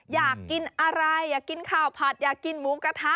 อยากกินอะไรอยากกินข้าวผัดอยากกินหมูกระทะ